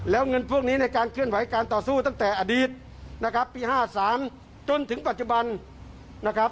แล้วเงินพวกนี้ในการเคลื่อนไหวการต่อสู้ตั้งแต่อดีตนะครับปี๕๓จนถึงปัจจุบันนะครับ